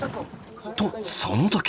とその時！